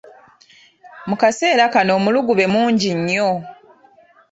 Mu kaseera kano omulugube mungi nnyo.